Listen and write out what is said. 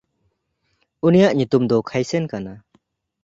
ᱩᱱᱤᱭᱟᱜ ᱧᱩᱛᱩᱢ ᱫᱚ ᱠᱷᱟᱭᱥᱮᱱ ᱠᱟᱱᱟ᱾